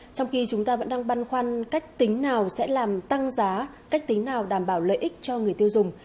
trong khi chúng ta vẫn đang băn khoăn cách tính nào sẽ làm tăng giá cách tính nào đảm bảo lợi ích cho người tiêu dùng